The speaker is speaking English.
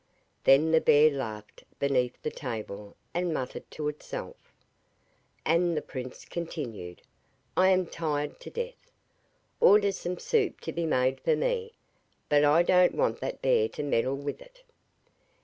Then the bear laughed beneath the table and muttered to itself. And the prince continued: 'I am tired to death. Order some soup to be made for me, but I don't want that bear to meddle with it.